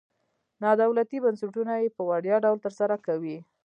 نادولتي بنسټونه یې په وړیا ډول تر سره کوي.